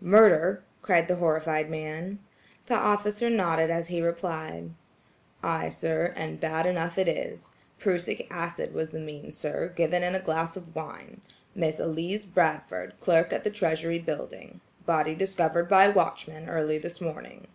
"Murder!" cried the horrified man. The officer nodded as he replied: "Ay, sir; and bad enough it is. Prussic acid was the means, sir, given in a glass of wine. Miss Elise Bradford, clerk at the Treasury Building. Body discovered by watchman early this morning."